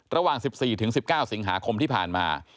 ระหว่าง๑๔๑๙สิงหาคมที่ผ่านมา